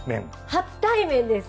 初対面です。